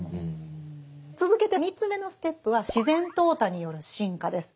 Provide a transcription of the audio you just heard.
続けて３つ目のステップは「自然淘汰による進化」です。